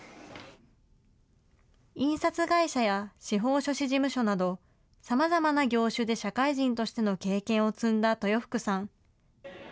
印刷会社や司法書士事務所など、さまざまな業種で社会人としての経験を積んだ豊福さん。